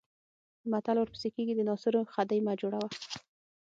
متل ورپسې کېږي د ناصرو خدۍ مه جوړوه.